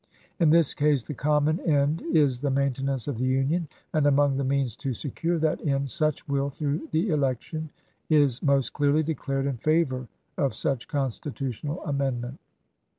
In this case the common end is the maintenance of the Union j and among the means to secure that end, such will, through the election, is most clearly declared in favor of such constitutional amendment.